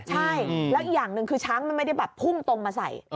ใช่แล้วอีกอย่างหนึ่งคือช้างมันไม่ได้แบบพุ่งตรงมาใส่